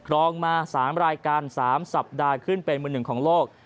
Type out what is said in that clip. รองมา๓รายการ๓สัปดาห์ขึ้นเป็นมือหนึ่งของโลก